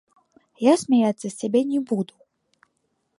Я смяяцца з цябе не буду.